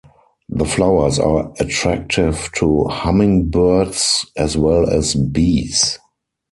The flowers are attractive to hummingbirds as well as bees.